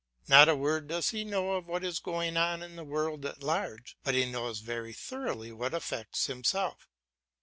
Not a word does he know of what is going on in the world at large, but he knows very thoroughly what affects himself.